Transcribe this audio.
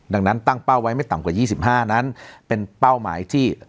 ดังนั้นตั้งเป้าไว้ไม่ต่ำกว่า๒๕นั้นเป็นเป้าหมายที่